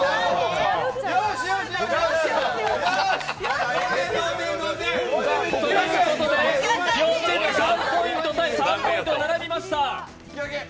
よーし、よーし！ということで、両チーム３ポイント対３ポイントということで並びました。